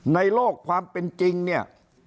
ในโลกความเป็นจริงเนี่ย